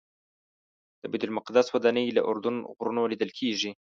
د بیت المقدس ودانۍ له اردن غرونو لیدل کېږي.